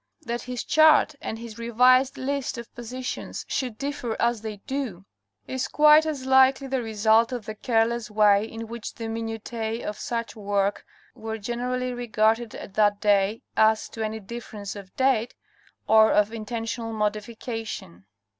That his chart and his revised list of positions should differ as they do, is quite as likely the result of the careless way in which the minutiz of such work were generally regarded at that day, as to any difference of date, or of intentional modification.